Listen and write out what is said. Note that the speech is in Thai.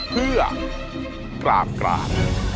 เพื่อกราบกราด